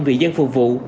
vì dân phục vụ